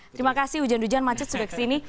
terima kasih hujan hujan macet sudah kesini